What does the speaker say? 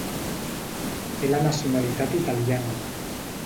Té la nacionalitat italiana.